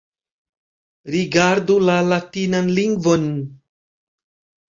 Rigardu la latinan lingvon.